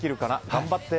頑張って！